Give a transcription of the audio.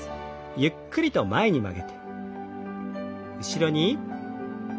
ゆっくりと前に曲げて後ろに。